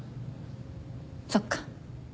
そっか。